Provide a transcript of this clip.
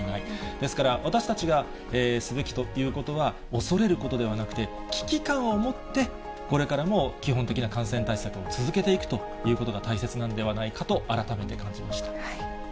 ですから、私たちがすべきことは、恐れることではなくて、危機感を持って、これからも基本的な感染対策を続けていくということが大切なんではないかと改めて感じました。